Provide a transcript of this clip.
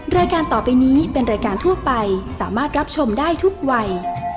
รายการต่อไปนี้เป็นรายการทั่วไปสามารถรับชมได้ทุกวัย